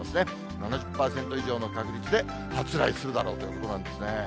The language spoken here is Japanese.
７０％以上の確率で、発雷するだろうということなんですね。